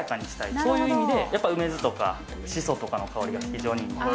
そういう意味でやっぱり梅酢とか、しそとかの香りが非常にいい。